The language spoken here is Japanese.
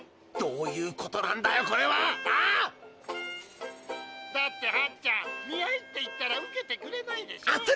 どういうことなんだよこれは！だって「見合い」って言ったら受けてくれないでしょ。